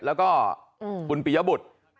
แล้วก็คุณปียบุตร